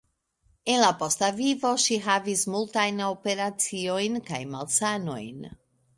En la posta vivo ŝi havis multajn operaciojn kaj malsanojn.